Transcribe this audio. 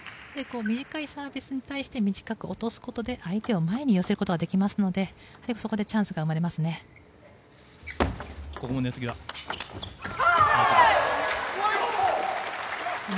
短いサービスに対して短く落とすことで相手を前に寄せることができますのでそこでチャンスが生まれますね。